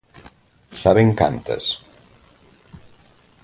¿Saben cantas?